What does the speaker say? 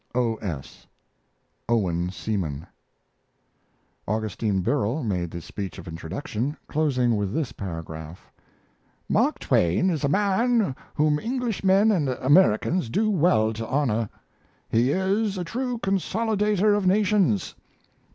O. S. [OWEN SEAMAN]. Augustine Birrell made the speech of introduction, closing with this paragraph: Mark Twain is a man whom Englishmen and Americans do well to honor. He is a true consolidator of nations.